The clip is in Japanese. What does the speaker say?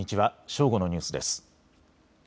正午のニュースです。